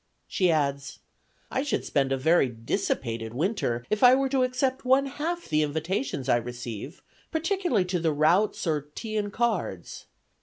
She adds: "I should spend a very dissipated winter, if I were to accept one half the invitations I receive, particularly to the routs, or tea and cards.